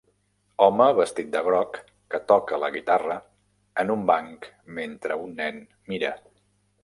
Home vestit de groc que toca la guitarra en un banc mentre un nen mira.